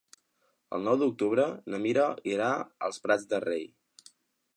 El nou d'octubre na Mira irà als Prats de Rei.